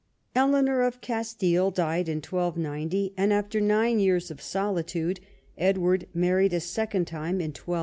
Eleanor of Castile died in 1290, and after nine years of solitude Edward married a second time in 1299.